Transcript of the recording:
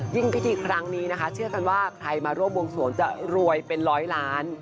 พิธีครั้งนี้นะคะเชื่อกันว่าใครมาร่วมวงสวงจะรวยเป็นร้อยล้าน